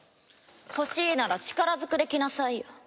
欲しいなら力ずくで来なさいよ。